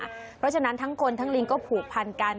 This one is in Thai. เพราะฉะนั้นทั้งคนทั้งลิงก็ผูกพันกัน